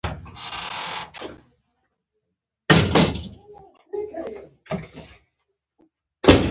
وسله د چا پر ضد جوړه شوې وي